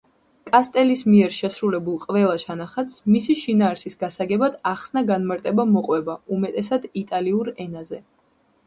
კასტელის მიერ შესრულებულ ყველა ჩანახატს მისი შინაარსის გასაგებად ახსნა-განმარტება მოყვება უმეტესად იტალიურ ენაზე.